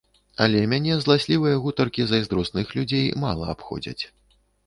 Але мяне зласлівыя гутаркі зайздросных людзей мала абходзяць.